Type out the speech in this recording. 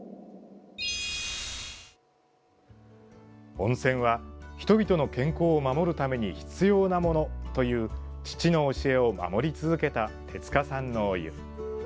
温泉は人々の健康を守るために必要なものという父の教えを守り続けた手塚さんのお湯。